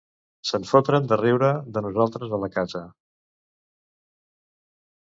Se'n fotran de riure de nosaltres a la casa.